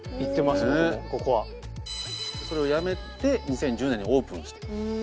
僕もここは。それを辞めて２０１０年にオープンした。